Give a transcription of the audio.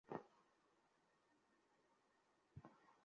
আর ভীত ছিলাম।